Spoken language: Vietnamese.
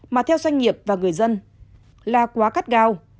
mà theo doanh nghiệp và người dân là quá cắt gao